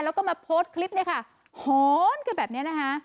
แล้วก็มาโพสต์คลิปเนี่ยค่ะหอนกันแบบนี้นะคะ